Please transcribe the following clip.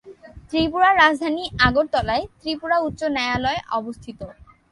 ত্রিপুরা রাজধানী আগরতলায় ত্রিপুরা উচ্চ ন্যায়ালয় অবস্থিত।